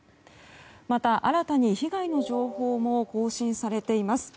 また、新たに被害の情報も更新されています。